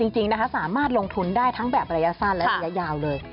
จริงนะคะสามารถลงทุนได้ทั้งแบบระยะสั้นและระยะยาวเลย